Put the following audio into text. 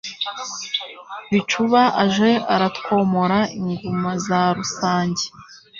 Bicuba aje aratwomora Inguma za Rusange